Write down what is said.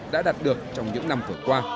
đã đạt được trong những năm vừa qua